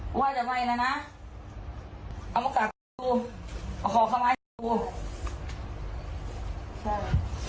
ใช่ครับแล้วได้ว่าที่ใบใครอยู่บ้างปากก็ไม่มีอ่ะคนจะอ่ะ